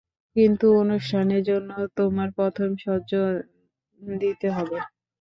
কিন্তু অনুষ্ঠানের জন্য তোমার প্রথম শস্য দিতে হবে।